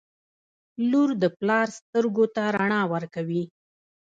• لور د پلار سترګو ته رڼا ورکوي.